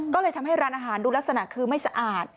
ก็เลยทำให้ร้านอาหารดูลักษณะคือไม่สะอาด